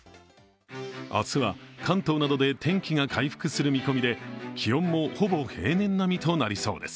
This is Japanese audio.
明日は関東などで天気が回復する見込みで気温もほぼ平年並みとなりそうです。